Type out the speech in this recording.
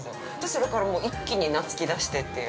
それから一気になつき出してっていう。